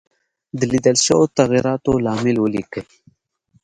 د لیدل شوو تغیراتو لامل ولیکئ.